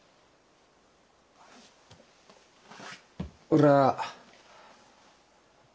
俺は。